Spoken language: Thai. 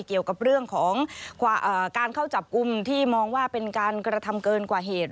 เกี่ยวกับเรื่องของการเข้าจับกลุ่มที่มองว่าเป็นการกระทำเกินกว่าเหตุ